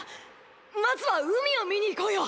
まずは海を見に行こうよ！